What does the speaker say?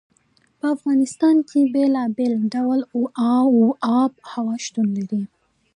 په افغانستان کې بېلابېل ډوله آب وهوا شتون لري.